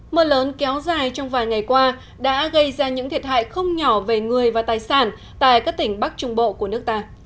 mưa lớn kéo dài trong vài ngày qua đã gây ra những thiệt hại không nhỏ về người và tài sản tại các tỉnh bắc trung bộ của nước ta